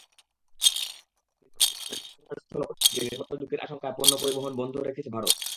কিন্তু অবরোধ-বিক্ষোভে দক্ষিণাঞ্চলের স্থলপথটিতে নিরাপত্তাঝুঁকির আশঙ্কায় পণ্য পরিবহন বন্ধ রেখেছে ভারত।